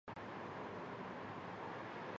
处於非常震惊的状态